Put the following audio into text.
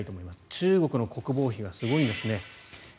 中国の国防費がすごいんですね。